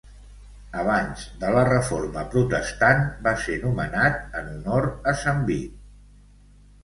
Abans de la Reforma Protestant va ser nomenat en honor a Sant Vit.